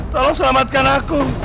tolong selamatkan aku